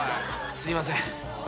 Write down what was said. すいません。